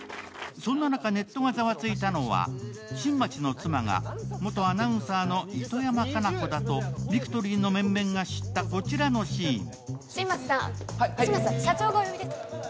そんな中ネットがざわついたのが新町の妻が元アナウンサーの糸山果奈子だとビクトリーの面々が知ったこちらのシーン。